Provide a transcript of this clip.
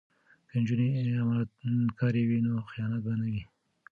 که نجونې امانتکارې وي نو خیانت به نه وي.